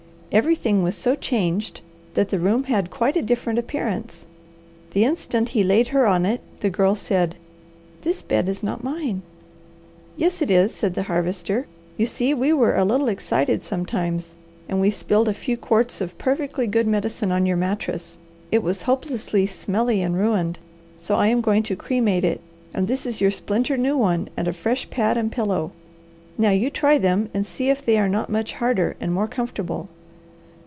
Everything was so changed that the room had quite a different appearance. The instant he laid her on it the Girl said, "This bed is not mine." "Yes it is," said the Harvester. "You see, we were a little excited sometimes, and we spilled a few quarts of perfectly good medicine on your mattress. It was hopelessly smelly and ruined; so I am going to cremate it and this is your splinter new one and a fresh pad and pillow. Now you try them and see if they are not much harder and more comfortable."